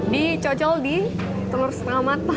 dicocol di telur setengah matang